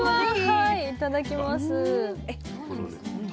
はいいただきます。